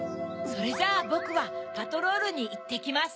それじゃあぼくはパトロールにいってきます。